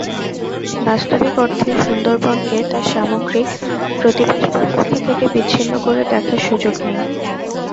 বাস্তবিক অর্থে সুন্দরবনকে তার সামগ্রিক প্রতিবেশব্যবস্থা থেকে বিচ্ছিন্ন করে দেখার সুযোগ নেই।